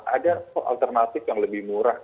ada alternatif yang lebih murah